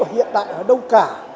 hiện đại ở đâu cả